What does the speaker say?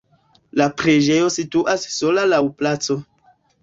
La preĝejo situas sola laŭ placo.